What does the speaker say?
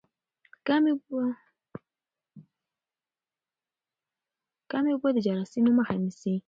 کمې اوبه د جراثیمو مخه نیسي.